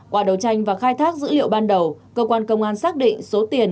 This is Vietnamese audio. qua đấu tranh và khai thác dữ liệu ban đầu cơ quan công an xác định số tiền